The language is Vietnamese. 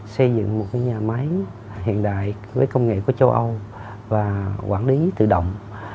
xây dựng một nhà máy hiện đại với công nghệ của châu âu và quản lý tự động